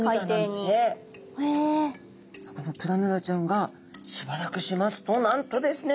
さあこのプラヌラちゃんがしばらくしますとなんとですね。